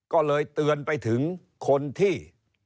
ก็เลยเตือนไปถึงคนที่